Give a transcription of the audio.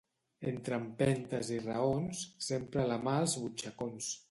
Entre empentes i raons, sempre la mà als butxacons.